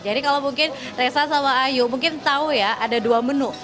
jadi kalau mungkin resa sama ayu mungkin tahu ya ada dua menu